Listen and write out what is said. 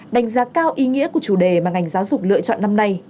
đánh giá cao ý nghĩa của chủ đề mà ngành giáo dục lựa chọn năm nay